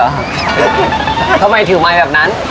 ทำไมถือความรอยเมืองมันแบบนั้น